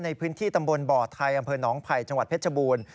ในพื้นที่ตำบลบ่อไทยอำเภอหนองไผ่จังหวัดเพชรบูรณ์